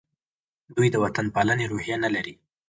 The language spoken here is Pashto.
دوی د وطن پالنې روحیه نه لري.